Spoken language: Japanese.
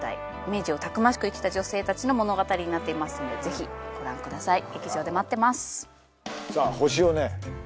明治をたくましく生きた女性達の物語になっていますのでぜひご覧ください劇場で待ってますさあ星をね